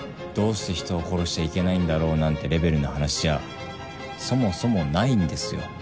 「どうして人を殺しちゃいけないんだろう」なんてレベルの話じゃそもそもないんですよ。